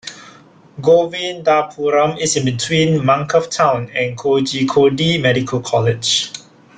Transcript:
Govindapuram is in between Mankav town and Kozhikode Medical College.